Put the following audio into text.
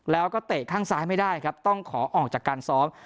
แล้วก็เตะข้างซ้ายไม่ได้ครับต้องขอออกจากการซ้อม